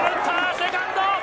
セカンド！